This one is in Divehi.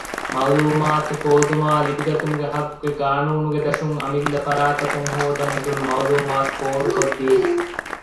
މައުލޫމާތު ހޯދުމާއި ލިބިގަތުމުގެ ހައްޤުގެ ޤާނޫނުގެ ދަށުން އަމިއްލަ ފަރާތަކުން ހޯދަން އެދުނު މައުލޫމާތު ފޯރުކޮށްދީފި